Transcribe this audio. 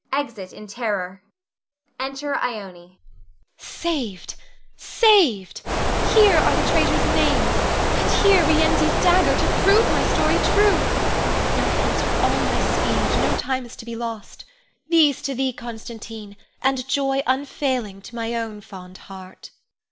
[Exit in terror.] [Enter Ione. Ione. Saved! saved! Here are the traitors' names, and here Rienzi's dagger to prove my story true. Now hence with all my speed, no time is to be lost! These to thee, Constantine, and joy unfailing to my own fond heart.